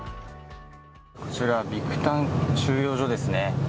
こちら、ビクタン収容所ですね。